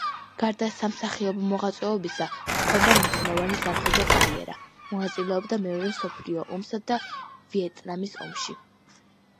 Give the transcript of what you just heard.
გარდა სამსახიობო მოღვაწეობისა, ჰქონდა მნიშვნელოვანი სამხედრო კარიერა, მონაწილეობდა მეორე მსოფლიო ომსა და ვიეტნამის ომში.